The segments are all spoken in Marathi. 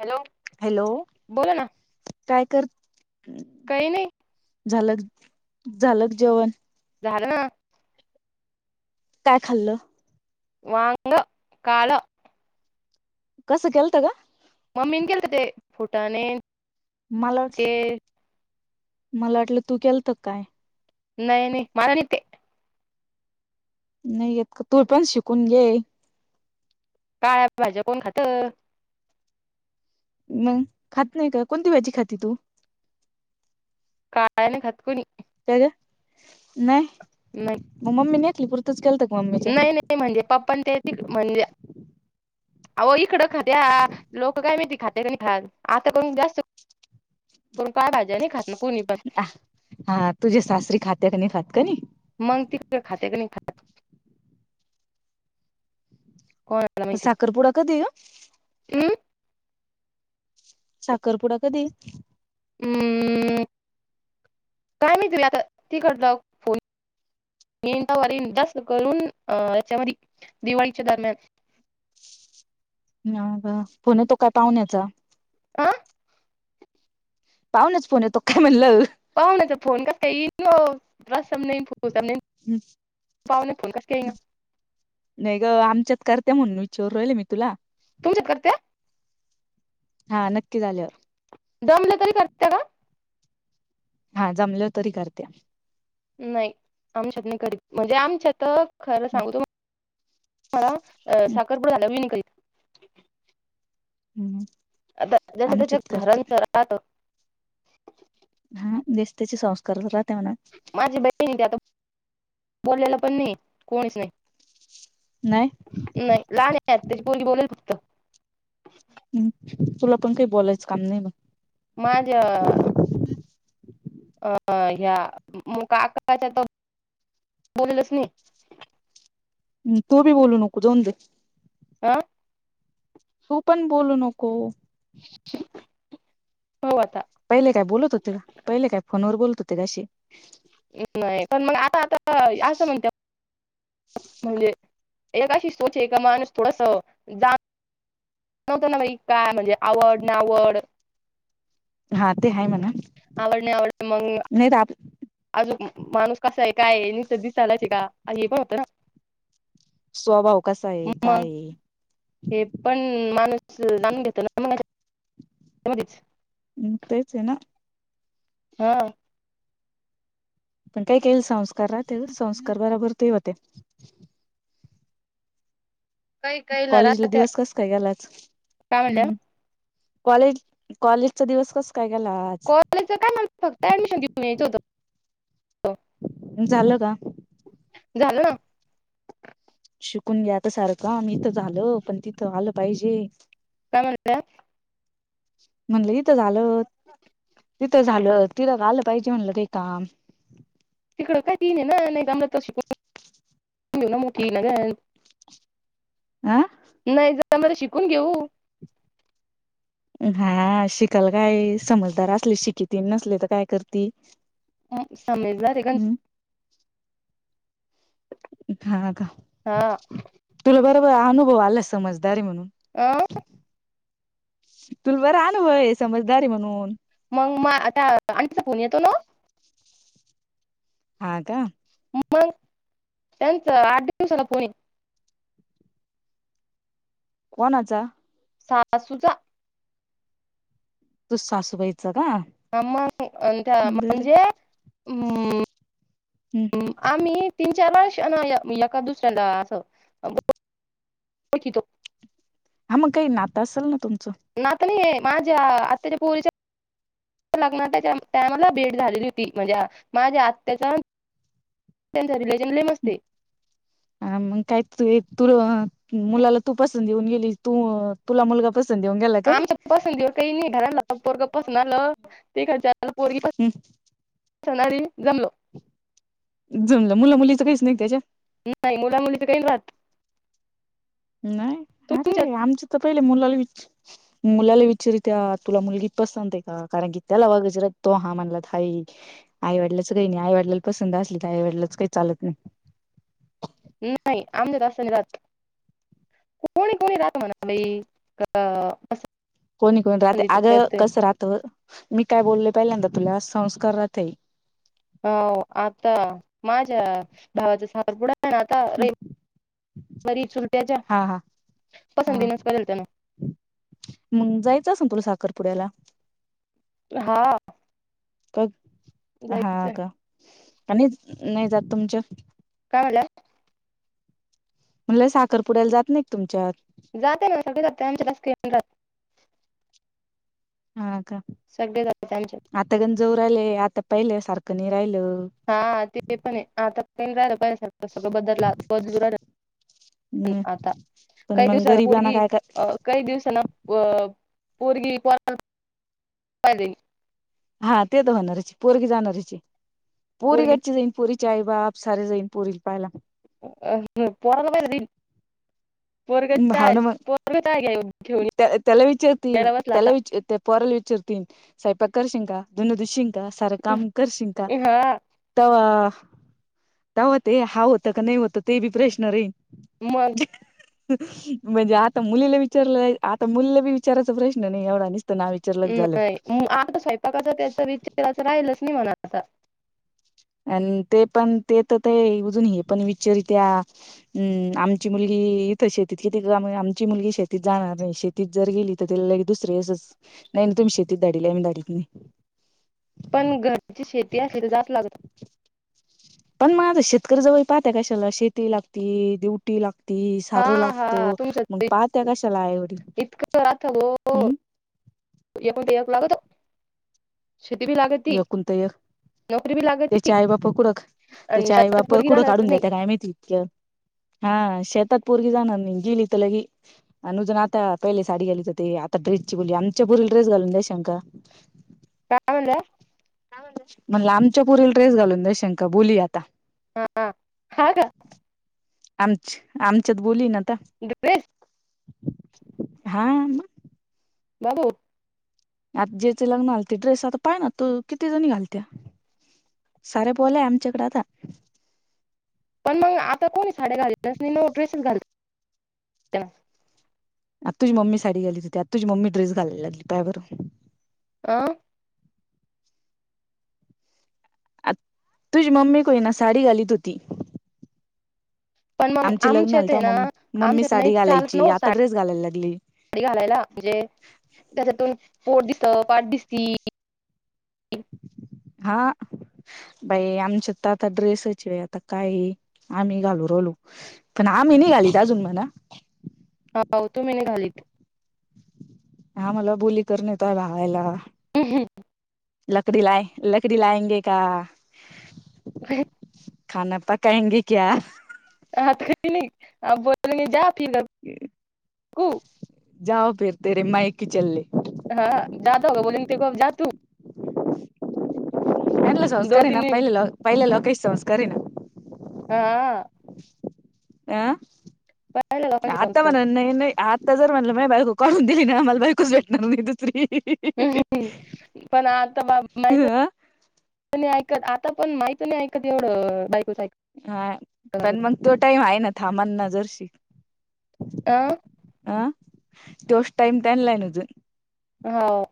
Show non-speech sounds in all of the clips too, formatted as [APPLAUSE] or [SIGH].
हॅलो. हॅलो. बोला ना काय कर काही नाही झालं क झाल का जेवण? झालं. काय खाल्लं? वांग काल. कस केलत गं? मम्मीन केले ते फुटाणे. मलाच ते मला वाटलं तू केलत क काय. नाही नाही मला नाही ते. नाही येत का? तू पण शिकून घे. काळ्या भाज्या कोण खातं. मंग खात नाही का कोणती भाजी खाती तू? काय नाही खात कुणी? त्याज नाय नाही. म मम्मी नेेतली पुरतच केलतं क मम्मीच्या. नाही नाही म्हणजे पप्पाण त्याची म्हणजे. अह इकडं खात्या लोकं काय माहिती खाते खात आता पण जास्त. कोण काय भाज्या नाही खात. ना कोणी पण हा तुझ्या सासरी खात्या कनी खात का नाही? मंग ती तर खाते का नाही खात. होय. म साखरपुडा कधी हा. हम्म. साखरपुडा कधी आहे? हम्म, काय नाही [UNINTELLIGIBLE] तिला आता ती करता फोन. [UNINTELLIGIBLE] जास्त अ याच्यामध्ये दिवाळीच्या दरम्यान. फोन येतो काय पाहुण्याचा? आं. पाहूणयाच फोन येतो काय म्हणलं? पाहुण्यांचा फोन [UNINTELLIGIBLE] नाही फो नाही. पाऊने फोन कसं केई ना. नाही ग आमच्यात करते्या म्हणून विचारून राहिल मी तुला. तुमच्यात कर त्यात. हा नक्की झाल्यावर. दमले तरी करते का? हा जमलं तरी करत्या. नाही आमच्यात नाही की म्हणजे आमच्यात खरं सांगू तू मला. अं साखरपुडा झाला वी करी [INAUDIBLE] आता जस त्याच्या आमच्यात करते घरांच राहत. हा ज्याचे त्याचे संस्कार राहते म्हणा. माझी बहिण ते आता बोललेलं पण नाही कोणीच नाही. नाही. नाही लहान त्याची पली बोलल फक्त हम्म तुला पण काही बोलायचं काम नाही बा. माझ्या अ ह्या मुग [UNINTELLIGIBLE] काकाच्या त बोललच नाही. तू बी बोलू नको जाऊन दे. हा. तू पण बोलू नको. हो आता. पहिले काय बोलत होते का? पहिले काय फोनवर बोलत होते अशी? [UNINTELLIGIBLE] पण मग आता आता असं म्हणते. म्हणजे, एकशी स्वच आहे ए माणूस थोडासा नव्हत ना बा काय म्हणजे आवड ना आवड. हा ते आहे म्हणा आवडले आवडले मंग मी. नाही तर आप अजून माणूस कसा आहे, काय हे नुसता दिसायलाच आहे का? हे पण होतं ना. स्वभाव कसा आहे, मग काय आहे? हे पण माणूस जाणून घेत ना [UNINTELLIGIBLE] हम्म तेच ना. हा. पण काय केल संस्कारा ते संस्कार बरोबर ते होते. काही काहीला कॉलेजला राहत्या दिवस कसं काय गेला आज? काय म्हणल्या हम्म. कॉलेज कॉलेजचा दिवस कसं काय केला आज? कॉलेज काय [UNINTELLIGIBLE] फक्त ऍडमिशन घेऊन यायच होतं. झालं का? झालं ना. शिकून घ्या आता सारखं आम्ही इथं झालं, पण तिथं आलं पाहिजे. काय म्हणल्या? म्हणलं इथं झालंत. तिथं झालं, तिला झालं पाहिजे म्हणलं ते काम. तिकडं काही तन ना नाही आमला त शिक [INAUDIBLE] [UNINTELLIGIBLE] मोठी ननंद आह? नाही जरा मला शिकून घेऊ. हा शिकाल काय, ‌ समजदार असली शिकती नसली तर काय करती. ह सममीज झार कांस. हम् हा का हा तुला बरोबर अनुभव आला समजदारी म्हणून. आ? तुला बर अनुभव हाय, समजदार आहे म्हणून. मग मग आता आणंटीचा फोन येतो ना ओ? हा का? मग त्यांचं आठ दिवसाला फोन कोणचा? सासूचा. तूझ सासूबाईच का? आ मग त्या बर म्हणजे अं आम्ही तीन चारला ना एका दुसऱ्याला असं ओळ, ओळखितो. हा मग काही नातं असेल ना तुमचं. नात नाहीये माझ्या आताच्या पोरीच्या लग्नात त्याच्या टायमाला भेट झालेली होती म्हणजे माझ्या आत्याच्या त्यांच रिलेशन लई मस्त आहे. अ मग काय तु एक तू मुलाला तू पसंत येऊन गेली, तू तुला मुलगा पसं आमच्या पसंतीवर काही नाही. घराला पोरग पसंद आलं तिकडच्यांना पोरगी सणारी जमलो. जमलं मुला मुलीच काहीच नाही त्याच्या? नाही मुला मुलीचं काही राहत. नाही. अरे तुमच्यात आमचं तर पहिले मुलाला विच मुलाला विचारित्या तुला मुलगी पसंत आहे का, कारण की त्याला [UNINTELLIGIBLE] तो हा म्हणलात हाई. आईवडलाच काही नाही. आईवडलाला पसंत असली तर आईवडलाच काही चालत नाही. नाही आमच्यात असं नाही राहत. कोणी कोणी राहत [UNINTELLIGIBLE] बाई खरं असं कोणी कोणी राहते. आग कसं राहतं मी काय बोलले पहिल्यांदा तुला संस्कार राहतंय. हो आता माझ्या भावाचा साखरपुडा पण आता रे घरी सुलत्याच्या हा हा हा पसंतीनच पाहिजेल ते मग. मग जायचं असन तुला साखरपुड्याला? हां. कत हा का? आणि नाही जात तुमच्या. काय बोलाय? म्हणल साखरपुुड्याला जात नाही तुमच्यात. जाते ना सगळे जाते, आमच्यात असते [INAUDIBLE] हां का. सगळे जात्यात आमच्यात. आता गण जाऊ राहिले, आता पहिल्या सारखं नाही राहिलं. हा ते पण आता राहिलं पाहि सारखं सगळं बद्दल होऊ राहील. आता पण काही मग दिवसांनं गरीबाना पोरगी काय अ काही दिवसांना पोरगी पोरांना पाईल जाय. हा ते तर होणारची, पोरीगी जाणारची हाय. पोरगी पोरीकटची जाईन पोरीचे आई बाप सारे जाईन पोरी ल पायला. अ ह पोराला [UNINTELLIGIBLE] पोरग [INAUDIBLE] चाय भावना मग, पोरग चाय घ्या घेऊन त्या त्याला विचारती यायला बसला त्याला आता विच [UNINTELLIGIBLE] पोराल विचरतेन सयपाक करशिन का धुंन दुशिल का सारकाम करशील का हा तवा तवा ते हा होतं का नाही होतं ते बी प्रश्न राहीन. मग. म्हणजे आता मुलीला विचारलंय, आता मुलीला बी विचारायचा प्रश्न नाही एवढा निसत नाव वि चरलक झालं. नाही आता स्वयंपाकाचा त्याचा विचार असं राहिलच नाही म्हणा आता. आणि तेपण ते तर ते एवजून हे पण विचारत्या. हम्म. आमची मुलगी इथं शेतीत किती आमची मुलगी शेतीत जाणार नाही शेती तीच जर गेली तर त्याला लगे दुसरं असंच नाही ना तुम्ही शेतीत धाडील, आम्ही धाडीत नाही. पण घरची शेती असेल जात लागत. पण मग आता शेतकरी जवळ पाहता कशाला, शेती लागती ड्युटी लाग ती हा सारू लागतो. हा मग तुमचं पाहत्या कशाला एवढी, हम्म. [UNINTELLIGIBLE] तेक लागतो शेती भी लागत ती. एकूण तर एक त्याचे आई बाप कुडं, आणि त्याचे आई शेतात बाप पोरगी कुडं राहणार काढून द्या नाही त्या काय माहिती इतक्या. हां शेतात पोरगी जाणार नाही, गेली इथ लगी अ नुजून आता पहिले साडी घालीत होते, आता ड्रेसची बोली. आमच्या पुरीला ड्रेस घालून द्या शंका. काय म्हणलं? म्हणलं आमच्या पुरील ड्रेस घालून द्या, शंका बोलूया आता. खा ग. आमच्या-आमच्यात बोलली ना आता. [UNINTELLIGIBLE] हां. बघू. आता ज्याचे लग्न आल ते ड्रेस आता पाय ना तू किती जणी घालते. सारे बोलले आमच्याकडं आता. पण मग आता कोणी साड्या घालीत नाय, त्यास्नी नवं ड्रेसेच घालत्यात. आता तुझी मम्मी साडी गालीती त्यात तुझे मम्मी ड्रेस घालाय लागली. पायावरून अं. आ तुझी मम्मी कोय ना साडी घालीत होती. पण मग आमचे लग्न झालं आमच्यात आहे तवा ना, मम्मी मम्मी आमच्यात नाही साडी चालत घालायची आता नवसात. ड्रेस घालायला लागली कपडी घालायला, म्हणजे त्याच्यातून पोट दिसतं, पाठ दिसती. हा. बाई आमच्या तर आता ड्रेसचीय, आता काय आम्ही घालू रोलू. पण आम्ही निघालीत अजून म्हणा. हो तो मी निघालीत. हा मला बोली करून येताय भावायला. हमं हमं. लकडी लाय, लकडी लायंगे का [UNINTELLIGIBLE] [UNINTELLIGIBLE] हा काही नाही अ बोले जा पिलं. के कु जाव फिरते रे मईकी चल्ले. हा जादाव का बोल ते जा तू. कलं दो संस्कार आहे ना, तीन दिन पहिले ल पहिले लोकांचे संस्कारे ना. हा. आं? पहिलं लोकांचे आता म्हण संस्कार नाही नाही आता जर म्हणलं मा बायक काढून दिली ना आ मला बायकूच भेटणार नई दुसरी. हम्म, हम्म हम्म पण आता बा माहिते. ह ऐकत, आता पण माहती नाही ऐकत एवढं बायकोच ऐक हा पण मग तो टाइम आहे ना, थांबण न जर शिक. अं अं त्योस टाइम ते त्यांला आहे ना जर. हो.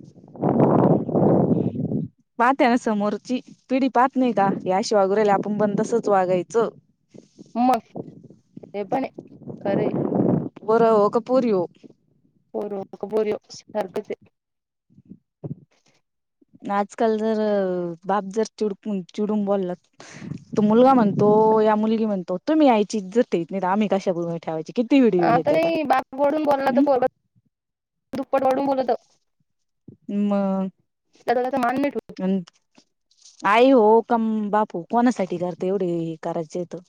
[INAUDIBLE] पाह्या ना समोरची पिढी पाहत नाही का या शिवागोऱ्याला आपण बंद तसच वागायचं. मग ते पण हे, खरंय. बोरं हो का पोरी हो. पोरं हो का पोरी हो सारखंच हे. न आजकाल जर बाप जर चिडून चिडून बोलला तो मुलगा मग तो या मुलीले म्हणतो, तुम्ही याय इच्जतेत नाही आम्ही कश गुन ठेवायची. किती व्हिडिओ आहे आता येत्याता नाही बाप वडून बोलला तर हम् पोरग दुप्पट वडून बोलत मग? त्या दोघां मान नाही ठे [UNINTELLIGIBLE] आई हो काम बापू कोणासाठी करत एवढे करायच येत तर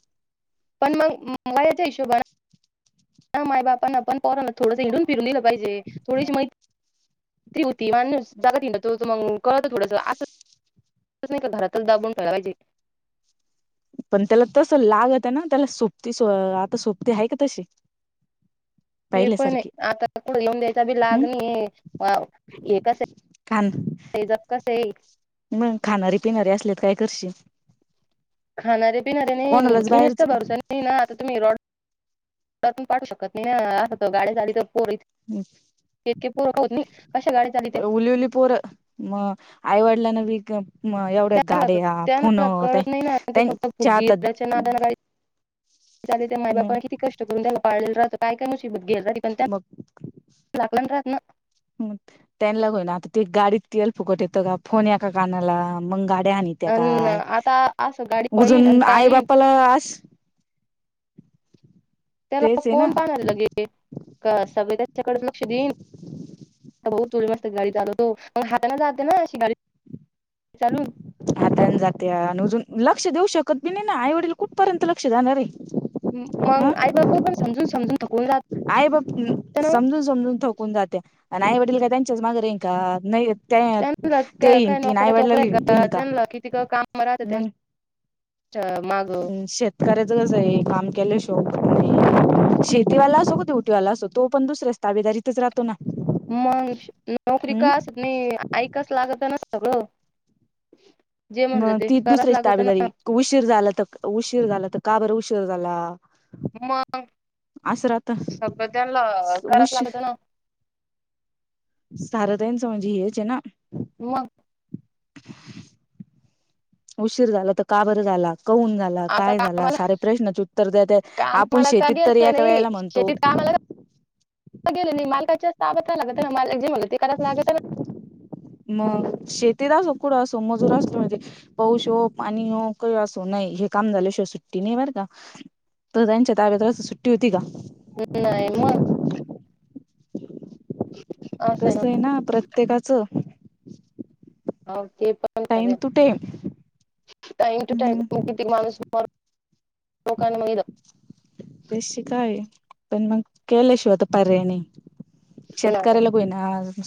पण मग म याच्या हिशोबाने, माय बापांना पण पर थोडस हिरून फिरून. पाहिजे थोडीशी मैत्री होती माणूस [UNINTELLIGIBLE] तो मग कळत थोडंसं असं कसं नाही का घरातच दाबून ठेवाय पाहिजे. पण त्याला तस लागत हाय ना, त्याला सोबती आता सोबती हाय का तशी? ते पण आहे. पहिल्यासारखी आता [UNINTELLIGIBLE] येऊन द्यायचा लाग हम् नाहीये अ हे कसं आहे आण जग कसं आहे मग खाणारे पिणारे असले तर काय करशीन? खाणारे पिणारे नाही. कोणालाच बाहेर मिनीटचा भरवसा नाही ना आता तुम्ही रॉड पण पाठू शकत नाही असं गाडी चालवीत पोर हम्म. इतके पोर होत नाही कशा गाडी चाली त्या उली उली पोर मग आईवडिलांना बी क मग एवढ्या त्यांना गाड्या, फोन त्यांना कळत नाही ना ते फक्त त्यांच्या आता फुगीराच्या [UNINTELLIGIBLE] त्या माय बापानं किती कष्ट करून त्या पाळलेलं राहत. काय काय मुसीबत मग [UNINTELLIGIBLE] लाकला राहत नं त्यांला हो ना आता ते गाडीत तल फुकट येतं का? फोन या का कानाला मग गाडी आण त्या अन काय आता असं गाडी पळीन आणि गुजून आई चालीन बापाला आस त्याला तेच आहे ना कोण पाणायला लगे का सगळे त्याच्याकडेच लक्ष देईन. [UNINTELLIGIBLE] मस्त गाडी चालवतो मग हाताना जाते ना अशी गाडी चालू हाताने जाते आण उजून लक्ष देऊ शकत बी नाही ना आई वडील कुठपर्यंत लक्ष जाणार आहे. मग आई बाप पण समजून समजून थक आयबाप समजून समजून थकून जात्या. आणि आई वडील काय त्यांच्याच माग राहिन का? नाही. ते त्यांना ते काय काय ईनती नाही नोकऱ्या वडलांला चोकऱ्या इनते का त्यांना किती मग च मग उम्म शेत श करायचं कस आहे काम केलं शो शेतीवाला असो क तेवटीवाला असो तो पण दुसऱ्याच ताबदारी थच राहतो ना. मंग नोकरी हम्म कास नाही ऐकास लागतं ना सगळं. जे म्हणलं मग ते ती कराच दुसऱ्याची लागत ना ताबेदारी, उशीर झाला तर उशीर झाला तर का बर उशीर झाला? मंग असं राहत. सब्द्द्याला कराच उशीर लागतं ना. सारा त्यांचा म्हणजे हेच आहे ना. मग उशीर झाला तर का बरं झाला कौन झा ला आता काय झाला कामाला सारे प्रश्नाचे उत्तर देते आपण कामाला का शेतीत तरी गेलं एका नाही वेळेला म्हणतो. शेतीत कामाला गेले नाही मालकाच्या ताब्यात लागतं ना माल जे म्हणलं ते करास लागतं ना. म शतीत असो कुडं असो मजूर असतो म्हणजे पाऊस हो पाणी हो काही असो नाही हे काम झाल्याशिवाय सुट्टी नाही बरं का? तर त्यांच्या ताब्यातळस सुट्टी होती का? हो नाही म. तसं आहे ना प्रत्येकाचं. अहो ते पण टाईम खरं तू टईम टाइम टू टाइम मग किती माणूस मर ओकाणं मैद काय पण मग केलं शिवाय तर पर्याय नई, शेतकऱ्याला बई ना.